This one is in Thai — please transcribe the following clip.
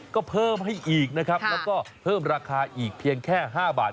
ก็เพิ่มให้อีกนะครับแล้วก็เพิ่มราคาอีกเพียงแค่๕บาท